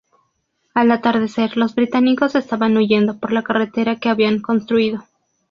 Al atardecer, los británicos estaban huyendo por la carretera que habían construido.